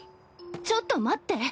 ちょっと待って！